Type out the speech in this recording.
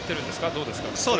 どうですか？